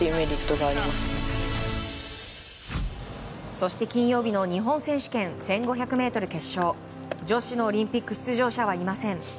そして金曜日の日本選手権１５００ｍ決勝女子のオリンピック出場者はいません。